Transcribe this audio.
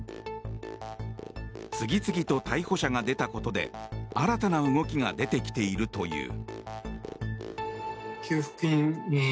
次々と逮捕者が出たことで新たな動きが出てきているという。